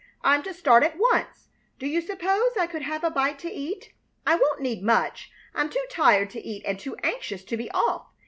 I'm to start at once. Do you suppose I could have a bite to eat? I won't need much. I'm too tired to eat and too anxious to be off.